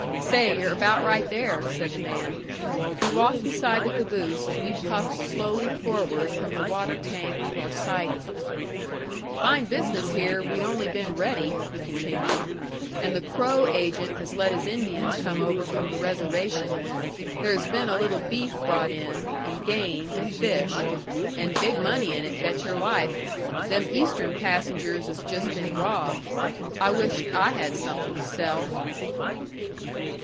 "Say, you're about right there!" said the man. He walked beside the caboose as we puffed slowly forward from the water tank to our siding. "Fine business here if we'd only been ready," he continued. "And the Crow agent has let his Indians come over from the reservation. There has been a little beef brought in, and game, and fish. And big money in it, bet your life! Them Eastern passengers has just been robbed. I wisht I had somethin' to sell!"